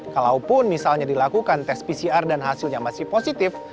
kalaupun misalnya dilakukan tes pcr dan hasilnya masih positif